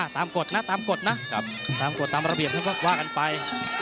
ตามกฎนะตามกฎนะตามระเบียบให้ว่ากันไป